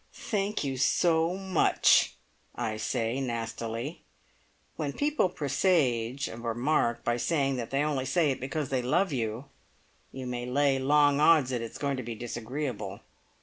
"Thank you so much," I said nastily. (When people presage a remark by saying that they only say it because they love you, you may lay long odds that it's going to be disagreeable!)